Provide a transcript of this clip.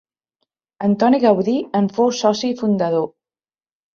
Antoni Gaudí en fou soci fundador.